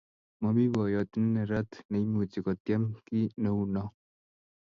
mami poyot ne nerat ne imuchi kotiem kiy neuno